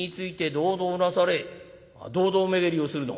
「堂々巡りをするの？」。